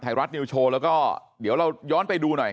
ไทยรัฐนิวโชว์แล้วก็เดี๋ยวเราย้อนไปดูหน่อย